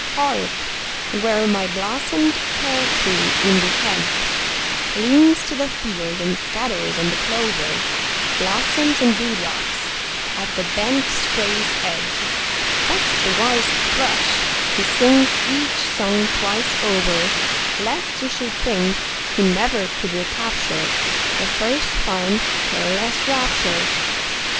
Hark, where my blossomed pear tree in the hedge Leans to the field and scatters on the clover Blossoms and dewdrops at the bent spray's edge That's the wise thrush; he sings each song twice over, Lest you should think he never could recapture The first fine careless rapture!